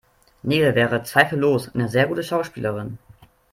Nele wäre zweifellos eine sehr gute Schauspielerin.